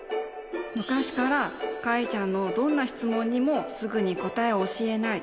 昔からカイちゃんのどんな質問にもすぐに答えを教えない。